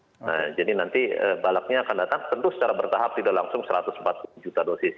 nah jadi nanti balapnya akan datang tentu secara bertahap tidak langsung satu ratus empat puluh juta dosis